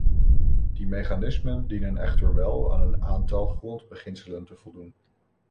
Die mechanismen dienen echter wel aan een aantal grondbeginselen te voldoen.